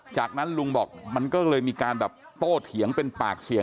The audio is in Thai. จากนั้นลุงบอกมันก็เลยมีการแบบโตเถียงเป็นปากเสียง